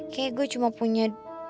kayanya gua cuma punya